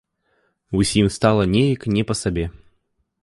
Усім стала неяк не па сабе.